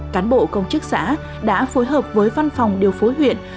cán bộ công chức xã đã phối hợp với văn phòng điều phối huyện